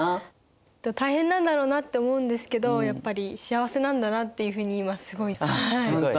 大変なんだろうなって思うんですけどやっぱり幸せなんだなっていうふうに今すごい。あっほんと？